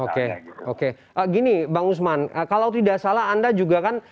oke oke gini bang usman kalau tidak salah anda juga kan